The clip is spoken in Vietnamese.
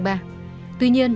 với các nạn nhân